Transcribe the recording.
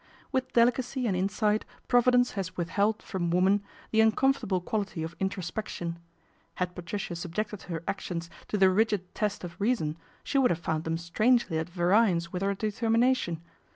With delicacy and insight Providence has withheld from woman the uncomfortable quality of introspection. Had Patricia subjected her actions to the rigid test of reason, she would have found them strangely at variance with her determination.